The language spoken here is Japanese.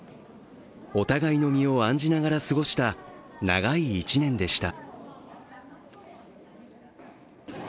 お互いの身を案じながら過ごした長い１年でした。